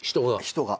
人が。